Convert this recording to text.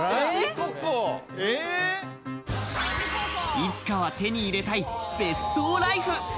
いつかは手に入れたい別荘ライフ。